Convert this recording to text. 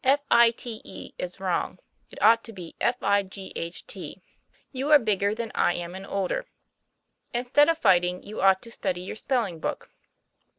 Fife is wrong; it ought to be fight. You are biger than i am and older. Insted of fighting you ought to study your speling book.